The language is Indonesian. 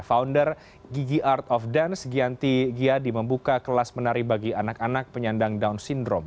founder gigi art of dance giyanti giyadi membuka kelas menari bagi anak anak penyandang down syndrome